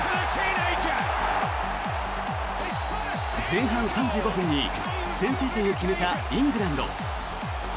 前半３５分に先制点を決めたイングランド。